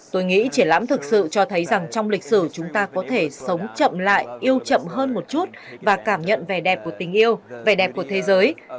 tôi nghĩ triển lãm thực sự cho thấy rằng trong lịch sử chúng ta có thể sống chậm lại yêu chậm hơn một chút và cảm nhận vẻ đẹp của tình yêu vẻ đẹp của thế giới